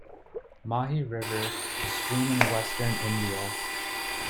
Mahi River, stream in western India.